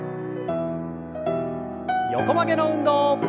横曲げの運動。